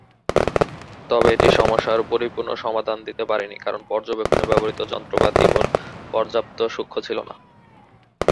তবে এটি সমস্যার পরিপূর্ণ সমাধান দিতে পারেনি, কারণ পর্যবেক্ষণে ব্যবহৃত যন্ত্রপাতি পর্যাপ্ত সূক্ষ্ম ছিল না।